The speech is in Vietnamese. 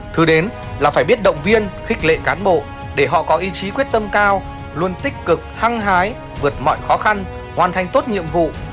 thứ đến là phải biết động viên khích lệ cán bộ để họ có ý chí quyết tâm cao luôn tích cực hăng hái vượt mọi khó khăn hoàn thành tốt nhiệm vụ